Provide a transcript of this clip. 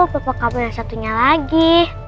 bapak kamu yang satunya lagi